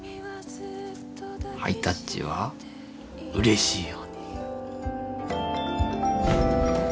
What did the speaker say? ハイタッチはうれしいよ。